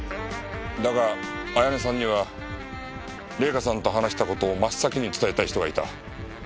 だが彩音さんには礼香さんと話した事を真っ先に伝えたい人がいた。